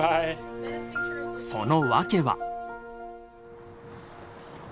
その訳は。